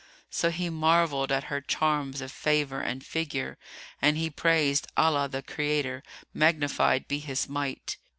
So he marvelled at her charms of favour and figure and he praised Allah the Creator (magnified be His might!)